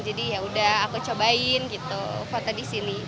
jadi ya udah aku cobain gitu foto disini